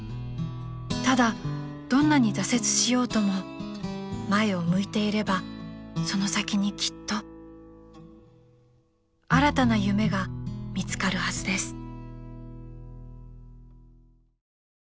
［ただどんなに挫折しようとも前を向いていればその先にきっと新たな夢が見つかるはずです］